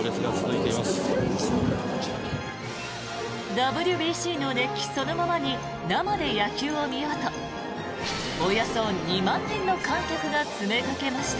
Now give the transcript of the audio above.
ＷＢＣの熱気そのままに生で野球を見ようとおよそ２万人の観客が詰めかけました。